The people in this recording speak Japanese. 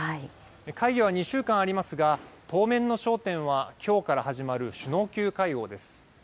会議は２週間ありますが、当面の焦点はきょうから始まる首脳級会合です。